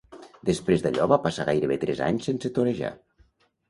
Després d'allò va passar gairebé tres anys sense torejar.